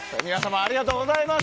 ありがとうございます。